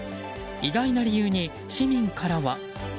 意外な理由に市民からは。